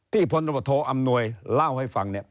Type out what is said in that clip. ที่พรณบทธออำนวยเล่าให้ฟังเนี่ย